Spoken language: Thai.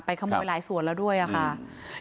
ไปขโมยหลายสวนแล้วด้วยอ่ะค่ะอืม